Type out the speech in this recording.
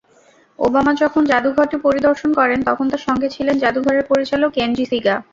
Obama যখন জাদুঘরটি পরিদর্শন করেন, তখন তাঁর সঙ্গে ছিলেন জাদুঘরের পরিচালক কেনজি শিগা।